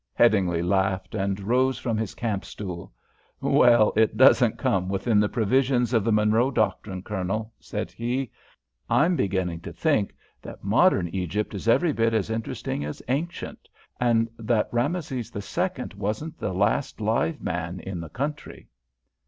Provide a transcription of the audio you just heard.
Headingly laughed, and rose from his camp stool. "Well, it doesn't come within the provisions of the Monroe Doctrine, Colonel," said he. "I'm beginning to think, that modern Egypt is every bit as interesting as ancient, and that Rameses the Second wasn't the last live man in the country."